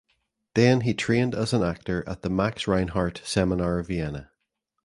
Then he trained as an actor at the Max Reinhardt Seminar Vienna.